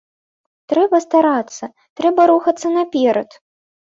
Трэба старацца, трэба рухацца наперад.